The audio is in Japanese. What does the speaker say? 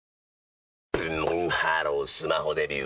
ブンブンハロースマホデビュー！